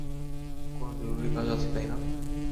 কোনো জরুরি কাজ আছে, তাই না?